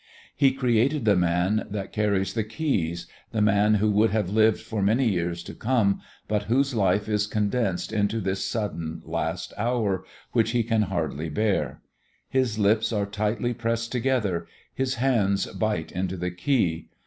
He created the man that carries the key, the man who would have lived for many years to come, but whose life is condensed into this sudden last hour which he can hardly bear. His lips are tightly pressed together, his hands bite into the key.